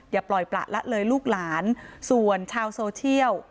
อย่าปล่อยประละเลยลูกหลานส่วนชาวโซเชียล